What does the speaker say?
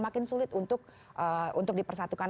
makin sulit untuk dipersatukan